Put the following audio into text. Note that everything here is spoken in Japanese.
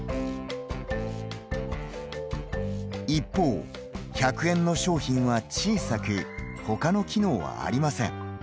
一方、１００円の商品は、小さくほかの機能はありません。